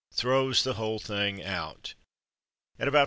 Throws the whole thing out. At about 4.